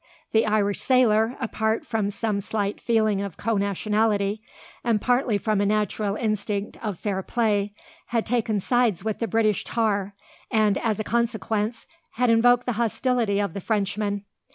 The Irish sailor, partly from some slight feeling of co nationality, and partly from a natural instinct of fair play, had taken sides with the British tar; and, as a consequence, had invoked the hostility of the Frenchman.